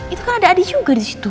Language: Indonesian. itu kan ada adi juga disitu